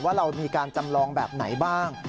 ว่าเรามีการจำลองแบบไหนบ้าง